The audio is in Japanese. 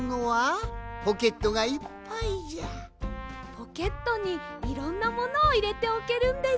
ポケットにいろんなものをいれておけるんです。